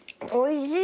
おいしい！